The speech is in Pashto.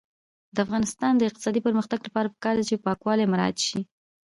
د افغانستان د اقتصادي پرمختګ لپاره پکار ده چې پاکوالی مراعات شي.